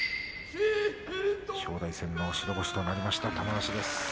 正代戦の白星となりました玉鷲です。